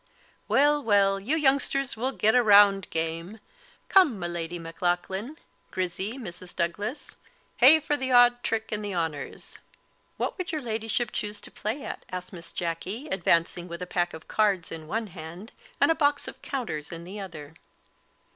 "Weel, weel, you youngsters will get a roundgame; come, my Leddy Maclaughlan, Grizzy, Mrs. Douglas, hey for the odd trick and the honours!" "What would your Ladyship choose to play at?' asked Miss Jacky, advancing with a pack of cards in one hand, and a box of counters in the other.